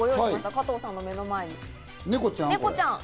加藤さんの目の前に猫ちゃん。